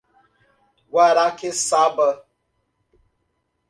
Guaraqueçaba